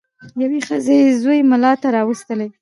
یوې ښځي زوی مُلا ته راوستلی